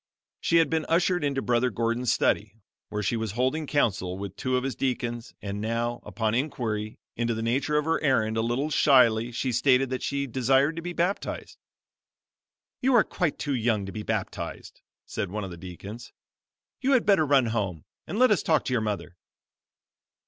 She had been ushered into Brother Gordon's study, where he was holding counsel with two of his deacons, and now, upon inquiry into the nature of her errand a little shyly she stated that she desired to be baptized. "You are quite too young to be baptized," said one of the deacons, "you had better run home, and let us talk to your mother."